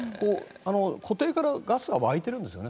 湖底からガスが湧いてるんですよね。